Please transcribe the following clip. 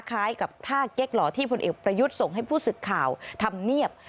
คล้ายกับท่าเก๊กหล่อที่พลเอกประยุทธ์ส่งให้ผู้สื่อข่าวทำเนียบ